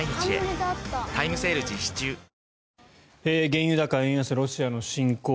原油高、円安ロシアの侵攻